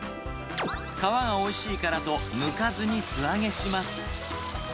皮がおいしいからと、むかずに素揚げします。